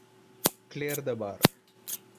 Clear the Bar.